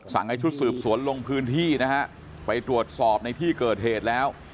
ให้ชุดสืบสวนลงพื้นที่นะฮะไปตรวจสอบในที่เกิดเหตุแล้ว